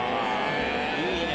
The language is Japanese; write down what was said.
いいね！